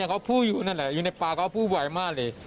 เขาพูดอยู่นั่นแหละอยู่ในป่าเขาพูดไวมากเลย